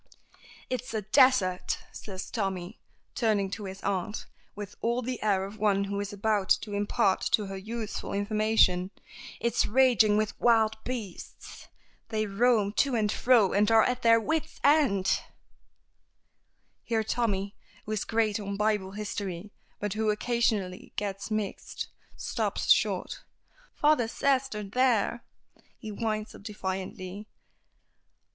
"It's a desert," says Tommy, turning to his aunt, with all the air of one who is about to impart to her useful information. "It's raging with wild beasts. They roam to and fro and are at their wits' ends " here Tommy, who is great on Bible history, but who occasionally gets mixed, stops short. "Father says they're there," he winds up defiantly.